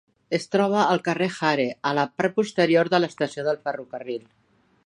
Es troba al carrer Hare, a la part posterior de l'estació de ferrocarril.